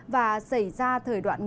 và xảy ra thời đoạn ngắn